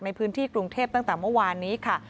ในพื้นที่กรุงเทพตั้งแต่เมื่อวานนี้ค่ะ